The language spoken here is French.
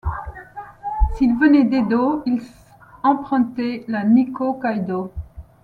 S'ils venaient d'Edo, ils empruntaient la Nikkō Kaidō.